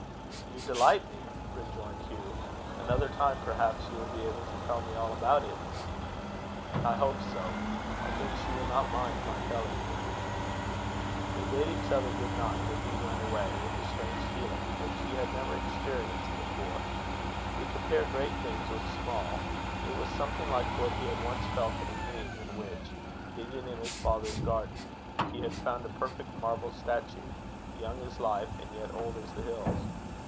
"You delight me," rejoined Hugh "Another time, perhaps, you will be able to tell me all about it." "I hope so. I think she will not mind my telling you." They bade each other good night; and Hugh went away with a strange feeling, which he had never experienced before. To compare great things with small, it was something like what he had once felt in a dream, in which, digging in his father's garden, he had found a perfect marble statue, young as life, and yet old as the hills.